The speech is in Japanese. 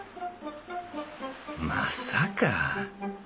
まさか。